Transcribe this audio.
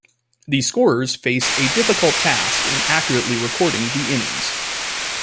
The scorers faced a difficult task in accurately recording the innings.